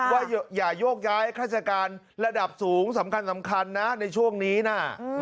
ว่าอย่าโยกย้ายข้าราชการระดับสูงสำคัญนะในช่วงนี้นะ